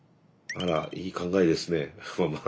あらいい考えですねママ。